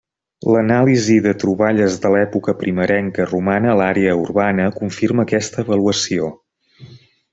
L'anàlisi de troballes de l'època primerenca romana a l'àrea urbana, confirma aquesta avaluació.